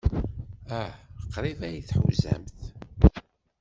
Ah, qrib ay t-tḥuzamt.